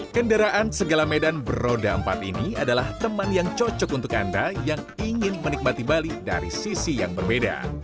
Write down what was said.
kendaraan segala medan beroda empat ini adalah teman yang cocok untuk anda yang ingin menikmati bali dari sisi yang berbeda